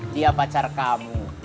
dia pacar kamu